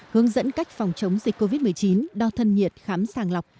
hướng dẫn cách phòng chống dịch covid một mươi chín đo thân nhiệt khám sàng lọc